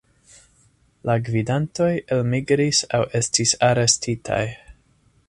La gvidantoj elmigris aŭ estis arestitaj.